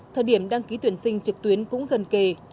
thời điểm đăng ký tuyển sinh trực tuyến cũng gần kề